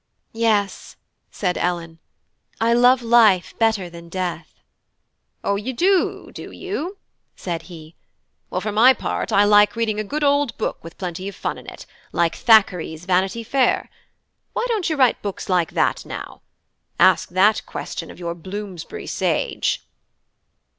"Yes," said Ellen, "I love life better than death." "O, you do, do you?" said he. "Well, for my part I like reading a good old book with plenty of fun in it, like Thackeray's 'Vanity Fair.' Why don't you write books like that now? Ask that question of your Bloomsbury sage."